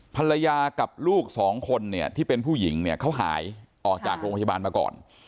ภรรยากับลูกสองคนเนี่ยที่เป็นผู้หญิงเนี่ยเขาหายออกจากโรงพยาบาลมาก่อน